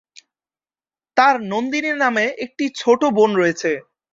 তার নন্দিনী নামে একটি ছোট বোন রয়েছে।